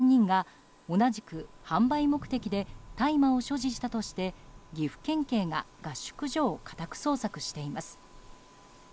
今日は朝日大学でラグビー部の部員３人が同じく販売目的で大麻を所持したとして岐阜県警が合宿所を家宅捜索しています。